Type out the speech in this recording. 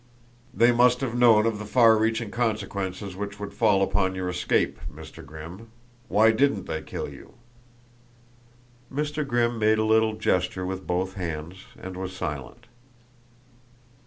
"They must have known of the far reaching consequences which would follow upon your escape, Mr. Grimm. Why didn't they kill you?" Mr. Grimm made a little gesture with both hands and was silent.